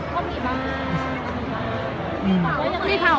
ดูเหมือนมีโอกาสขึ้นไปกับฟิล์ม